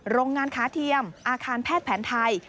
โรงงานขาเทียมอาคารแพทย์แผนไทย